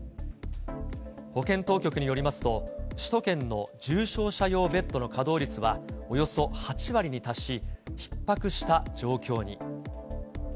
保健当局によりますと、首都圏の重症者用ベッドの稼働率はおよそ８割に達し、ひっ迫した状況に。